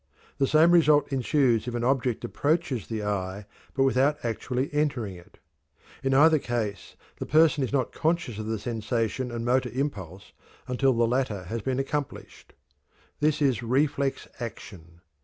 The same result ensues if an object approaches the eye but without actually entering it. In either case the person is not conscious of the sensation and motor impulse until the latter has been accomplished. This is reflex action.